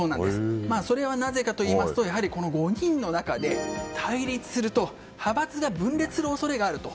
それはなぜかといいますとこの５人の中で対立すると派閥が分裂する恐れがあると。